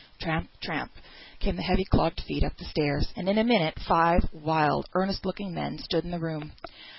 Tramp, tramp, came the heavy clogged feet up the stairs; and in a minute five wild, earnest looking men stood in the room.